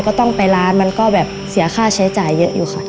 ก็ต้องไปร้านมันก็แบบเสียค่าใช้จ่ายเยอะอยู่ค่ะ